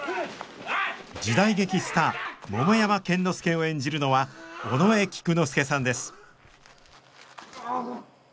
時代劇スター桃山剣之介を演じるのは尾上菊之助さんです